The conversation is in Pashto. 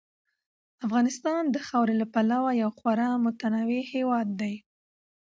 افغانستان د خاورې له پلوه یو خورا متنوع هېواد دی.